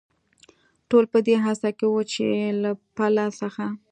ټول په دې هڅه کې و، چې له پله څخه.